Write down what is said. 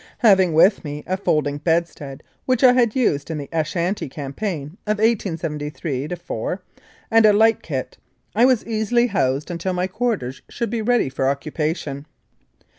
Having with me a folding bedstead which I had used in the Ashanti Campaign of 1873 4, and a light kit, I was easily housed until my quarters should be ready for occupation.